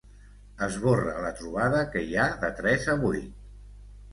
Esborra la trobada que hi ha de tres a vuit.